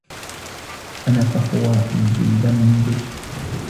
أنا فخورة جداً بكِ.